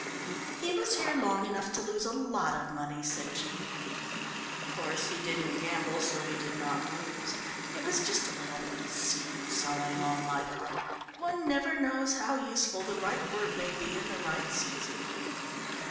"He was here long enough to lose a lot of money," said Jean. "Of course he didn't gamble, so he did not lose. It was just a little seed sowing on my part one never knows how useful the right word may be in the right season."